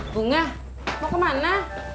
bunga mau kemana